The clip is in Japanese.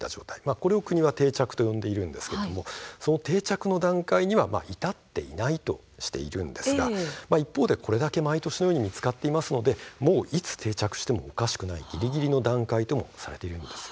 これを国は定着と呼んでいますがその段階には至っていないとしているんですが一方でこれだけ毎年見つかっていますのでもういつ定着してもおかしくないぎりぎりの段階ともされているんです。